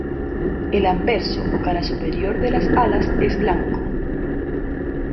El anverso o cara superior de las alas es blanco.